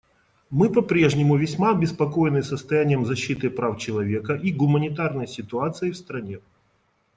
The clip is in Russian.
Мы по-прежнему весьма обеспокоены состоянием защиты прав человека и гуманитарной ситуацией в стране.